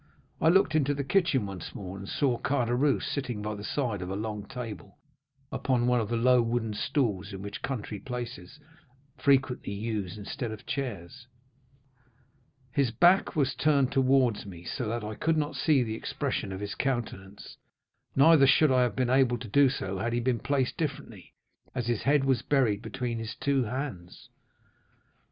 I looked into the kitchen once more and saw Caderousse sitting by the side of a long table upon one of the low wooden stools which in country places are frequently used instead of chairs; his back was turned towards me, so that I could not see the expression of his countenance—neither should I have been able to do so had he been placed differently, as his head was buried between his two hands.